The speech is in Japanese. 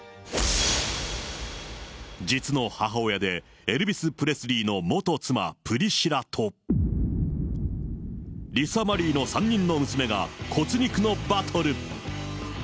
実の母親でエルビス・プレスリーの元妻、プリシラと、リサ・マリーの３人の娘が骨肉のバトル。